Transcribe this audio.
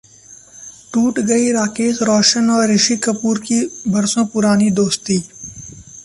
टूट गई राकेश रोशन और ऋषि कपूर की बरसों पुरानी दोस्ती